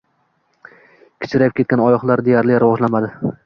Kichrayib ketgan oyoqlari deyarli rivojlanmadi